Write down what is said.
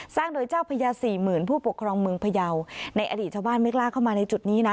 สร้างโดยเจ้าพญาสี่หมื่นผู้ปกครองเมืองพยาวในอดีตชาวบ้านไม่กล้าเข้ามาในจุดนี้นะ